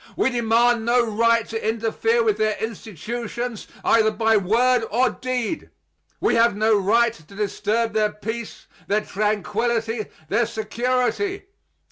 We demand no right to interfere with their institutions, either by word or deed. We have no right to disturb their peace, their tranquillity, their security.